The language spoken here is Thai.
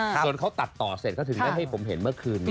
จนเขาตัดต่อเสร็จเขาถึงได้ให้ผมเห็นเมื่อคืนนี้